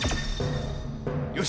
よし！